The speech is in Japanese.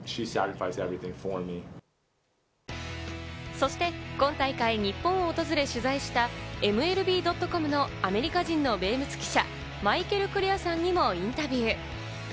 そして今大会、日本を訪れ取材したＭＬＢ．ｃｏｍのアメリカ人の名物記者、マイケル・クレアさんにもインタビュー。